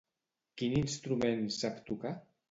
Quin instrument sap tocar?